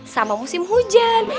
sama musim hujan